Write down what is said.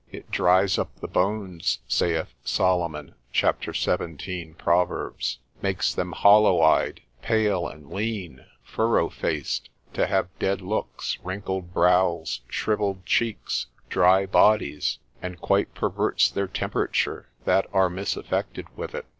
It dries up the bones, saith Solomon, cap. 17. Prov., makes them hollow eyed, pale, and lean, furrow faced, to have dead looks, wrinkled brows, shrivelled cheeks, dry bodies, and quite perverts their temperature that are misaffected with it.